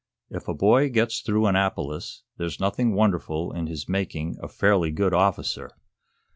"If a boy gets through Annapolis there's nothing wonderful in his making a fairly good officer.